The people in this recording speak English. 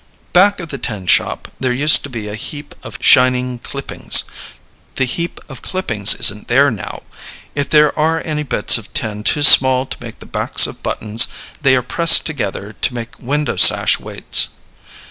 Back of the tin shop there used to be a heap of shining clippings. The heap of clippings isn't there now. If there are any bits of tin too small to make the backs of buttons, they are pressed together to make window sash weights.